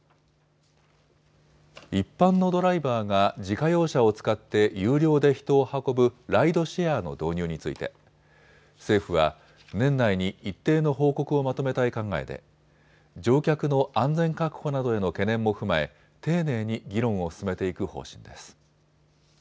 一般のドライバーが自家用車を使って有料で人を運ぶライドシェアの導入について政府は年内に一定の報告をまとめたい考えで乗客の安全確保などへの懸念も踏まえ丁寧に議論を進めていく方針です。